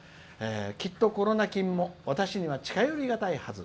きっとコロナ菌も私には近寄りがたいはず。